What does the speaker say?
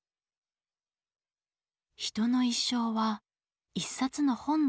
「人の一生は一冊の本のようだ。